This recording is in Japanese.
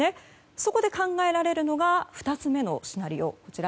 そこで、考えられるのが２つ目のシナリオ。